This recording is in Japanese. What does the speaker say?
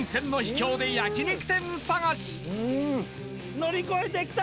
乗り越えてきた。